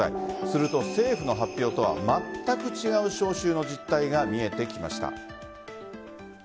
すると政府の発表とはまったく違う招集の実態が見えてきました。